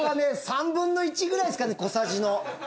３分の１ぐらいですかね小さじの。